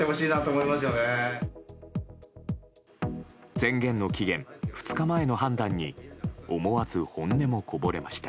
宣言の期限２日前の判断に思わず本音もこぼれました。